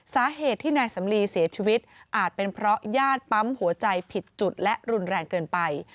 สาเหตุที่นายสำลีเสียชีวิตอาจเป็นเพราะญาติปั๊มหัวใจผิดจุดและรุนแรงเกินไป